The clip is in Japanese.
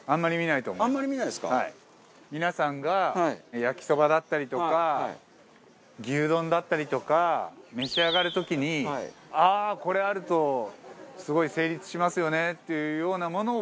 皆さんが焼きそばだったりとか牛丼だったりとか召し上がる時にああーこれあるとすごい成立しますよねっていうようなものを。